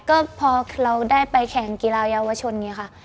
ก็พอเราได้ไปแข่งกีฬาเยาวชนอย่างนี้ค่ะ